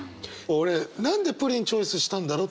俺何でプリンチョイスしたんだろう。